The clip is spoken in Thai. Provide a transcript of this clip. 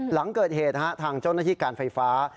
หลังเกิดเหตุทางเจ้าหน้าที่การไฟฟ้า